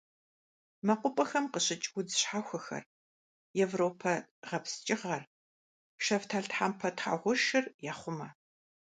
МэкъупӀэхэм къыщыкӀ удз щхьэхуэхэр: европэ гъэпскӀыгъэр, шэфталтхъэмпэ тхьэгъушыр яхъумэ.